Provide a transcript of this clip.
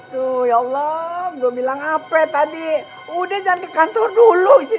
tuh ya allah gue bilang apa tadi udah jangan di kantor dulu sih